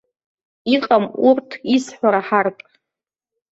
Иҟам урҭ исҳәо раҳартә.